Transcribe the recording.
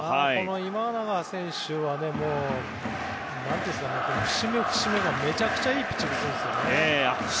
今永選手は節目、節目でめちゃくちゃいいピッチングするんですよね。